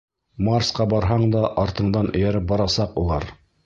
Марсҡа барһаң да артыңдан эйәреп барасаҡ улар.